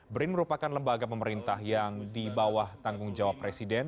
brin merupakan lembaga pemerintah yang dibawah tanggung jawab presiden